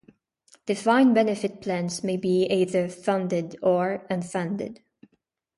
Defined benefit plans may be either "funded" or "unfunded".